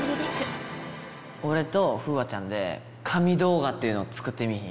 そこで、俺と楓空ちゃんで、神動画っていうのを作ってみいひん？